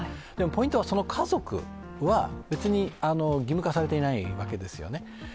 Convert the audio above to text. でも、ポイントはその家族は別に義務化されていないわけですよね。